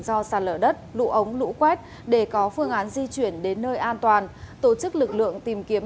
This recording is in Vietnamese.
do sạt lở đất lũ ống lũ quét để có phương án di chuyển đến nơi an toàn tổ chức lực lượng tìm kiếm